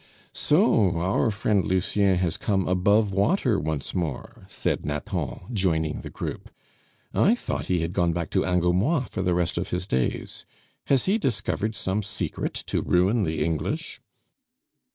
"So our friend Lucien has come above water once more," said Nathan, joining the group. "I thought he had gone back to Angoumois for the rest of his days. Has he discovered some secret to ruin the English?"